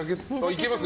いけます？